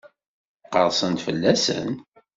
Qerrsen-d fell-asen?